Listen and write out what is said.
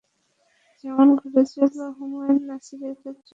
যেমন ঘটেছিল হুসায়ন নাসিরের ক্ষেত্রে।